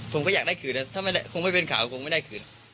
ผมก็อยากได้คืนนะถ้าคงไม่เป็นข่าวคงไม่ได้คืน